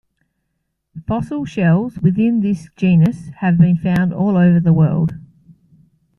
Fossil shells within this genus have been found all over the world.